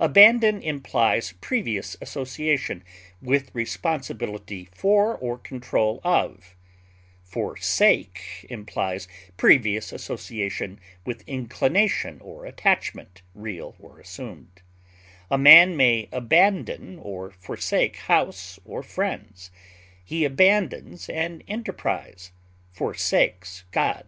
Abandon implies previous association with responsibility for or control of; forsake implies previous association with inclination or attachment, real or assumed; a man may abandon or forsake house or friends; he abandons an enterprise; forsakes God.